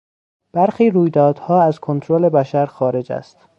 برخی رویدادها از کنترل بشر خارج است.